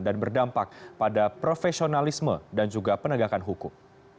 dan berdampak pada profesionalisme dan juga penegakan hukum